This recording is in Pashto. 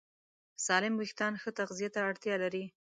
سالم وېښتيان ښه تغذیه ته اړتیا لري.